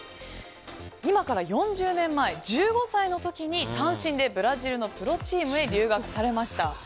今から４０年前、１５歳の時に単身でブラジルのプロチームへ留学されました。